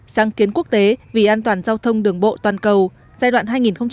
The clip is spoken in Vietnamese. sáng kiến quốc tế vì an toàn giao thông đường bộ toàn cầu giai đoạn hai nghìn hai mươi một hai nghìn hai mươi hai